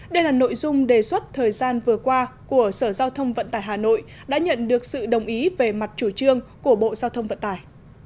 đây là nội dung đề xuất thời gian vừa qua của sở giao thông vận tải hà nội đã nhận được sự đồng ý về mặt chủ trương của bộ giao thông vận tải